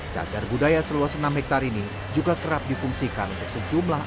cagar budaya seluas enam hektare ini juga kerap difungsikan untuk sejumlah